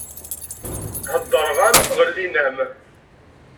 Heddreɣ-am ɣellin-am!